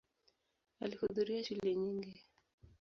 Alihudhuria shule nyingi.